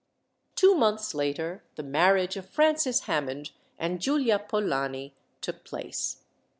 Two months later, the marriage of Francis Hammond and Giulia Polani took place.